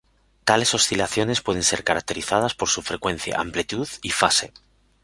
Tales oscilaciones pueden ser caracterizadas por su frecuencia, amplitud y fase.